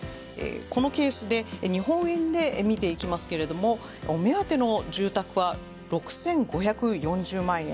このケースで日本円で見ていきますけどお目当ての住宅は６５４０万円。